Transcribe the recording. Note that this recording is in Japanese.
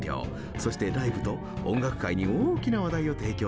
そしてライブと音楽界に大きな話題を提供しました。